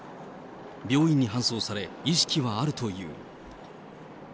病院に搬送され、意識はあるという。